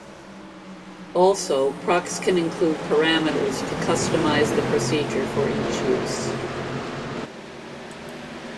Also, procs can include "parameters" to customize the procedure for each use.